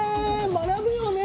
学ぶよね！